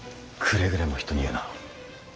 くれぐれも人に言うな。